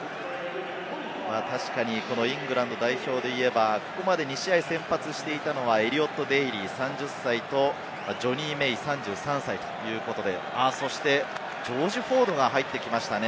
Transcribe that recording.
確かにイングランド代表でいえば、ここまで２試合先発していたのはエリオット・デイリー、３０歳と、ジョニー・メイ、３３歳ということで、そしてジョージ・フォードが入ってきましたね。